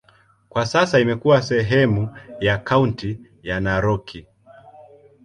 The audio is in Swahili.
Kwa sasa imekuwa sehemu ya kaunti ya Narok.